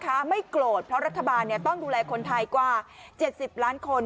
ไม่โกรธเพราะรัฐบาลต้องดูแลคนไทยกว่า๗๐ล้านคน